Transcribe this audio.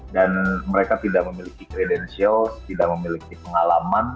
dan mereka tidak memiliki kredensial tidak memiliki pengalaman